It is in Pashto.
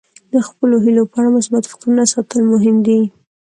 د خپلو هیلو په اړه مثبت فکرونه ساتل مهم دي.